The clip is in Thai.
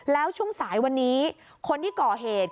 แล้วช่วงสายวันนี้คนที่ก่อเหตุ